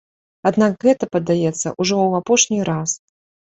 Аднак гэта, падаецца, ужо ў апошні раз.